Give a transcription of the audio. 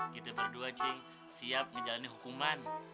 kita berdua ceng siap ngejalani hukuman